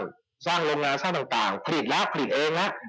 ต้องต้องไฟลุงงานสร้างต่างต่างผลิตล่ะผลิตเองอก